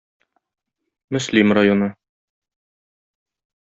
Мөслим районы.